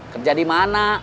kerja di mana